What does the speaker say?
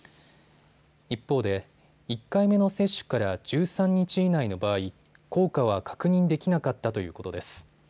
一方で１回目の接種から１３日以内の場合、効果は確認できなかったということです。